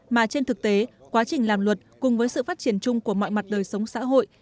mà trên thực tế quá trình làm luật cùng với sự phát triển chung của mọi mặt đời sống xã hội